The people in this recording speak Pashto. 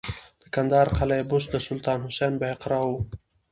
د کندهار قلعه بست د سلطان حسین بایقرا و